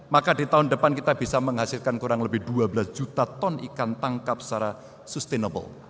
maka di tahun depan kita bisa menghasilkan kurang lebih dua belas juta ton ikan tangkap secara sustainable